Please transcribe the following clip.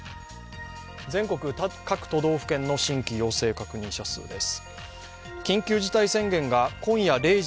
全国各都道府県の新規陽性確認者数です。